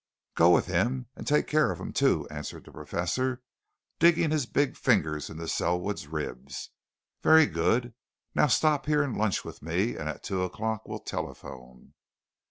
"Go with him and take care of him, too," answered the Professor, digging his big fingers into Selwood's ribs. "Very good. Now stop here and lunch with me, and at two o'clock we'll telephone."